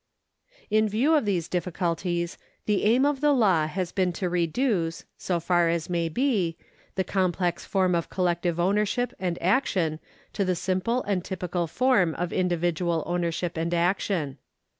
In view of these difficulties the aim of the law has been to reduce, so far as may be, the complex form of collective ownership and action to the simple and typical form of individual ownership and action.